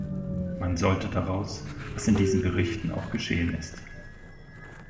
Man sollte daraus, was in diesen Berichten auch geschehen ist.